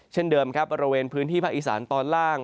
เช่นเดิมครับบริเวณพื้นที่ภาคอีสานตอนล่าง